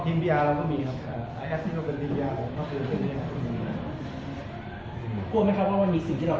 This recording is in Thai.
กลัวไหมครับว่ามีสิ่งที่เราพูดไปแล้วเตรียมกัน